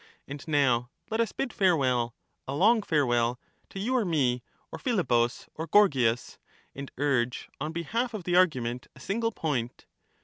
And now let us bid farewell, a long farewell, to you or me or Philebus or Gorgias, and urge on behalf of the argument a single point.